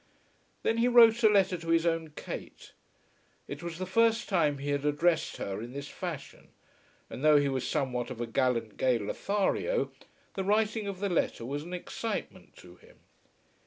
Then he wrote a letter to his own Kate. It was the first time he had addressed her in this fashion, and though he was somewhat of a gallant gay Lothario, the writing of the letter was an excitement to him.